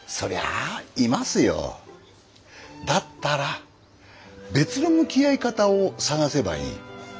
だったら別の向き合い方を探せばいい。